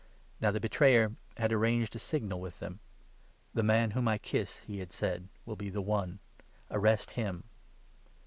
Now the betrayer had arranged a signal with 48 them. "The man whom I kiss," he had said, "will be the one; arrest him."